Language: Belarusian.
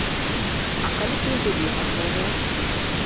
А калі б не былі гатовыя?